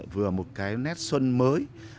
vừa một cái nét xuân mới